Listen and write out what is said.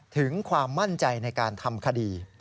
ถึงความมั่นใจในการทำคดี